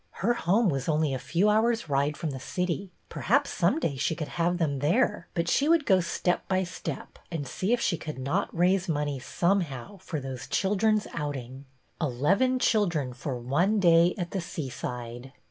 Her home was only a few hours' ride ' from the city; perhaps some day she could have them there; but she would go step by step and see if she could not raise money somehow for those children's outing; eleven I the order of the cup 205 children for one clay at the seaside